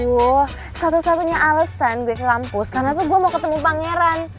wah satu satunya alesan gue ke kampus karena tuh gue mau ketemu pangeran